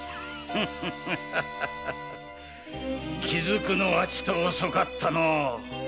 気づくのはちと遅かったのう。